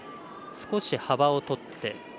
少し幅をとって。